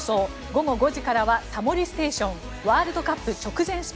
午後５時からは「タモリステーションワールドカップ直前ＳＰ」。